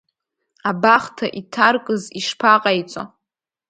Абахҭа иҭаркыз ишԥаҟаиҵо?